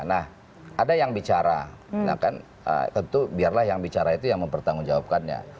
nah ada yang bicara tentu biarlah yang bicara itu yang mempertanggungjawabkannya